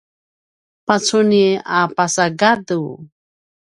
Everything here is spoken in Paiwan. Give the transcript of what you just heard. pacuni a pasa gadu